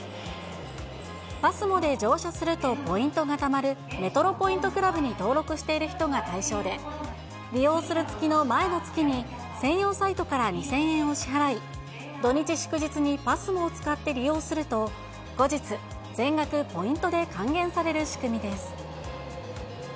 ＰＡＳＭＯで乗車するとポイントがたまるメトロポイントクラブに登録している人が対象で、利用する月の前の月に、専用サイトから２０００円を支払い、土日祝日にＰＡＳＭＯを使って利用すると、後日、全額ポイントで還元される仕組みです。